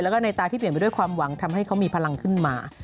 แล้วก็ในตาที่เปลี่ยนไปด้วยความหวังทำให้เขามีพลังขึ้นมา